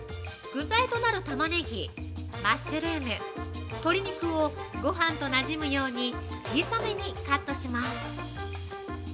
具材となるたまねぎ、マッシュルーム、鶏肉をごはんとなじむように、小さめにカットします。